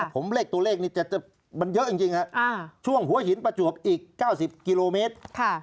ผมเลขตัวเลขนี้จะมันเยอะจริงช่วงหัวหินประจวบอีก๙๐กิโลเมตร